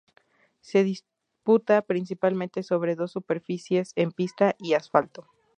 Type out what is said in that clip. Se disputa principalmente sobre dos superficies en pista y asfalto.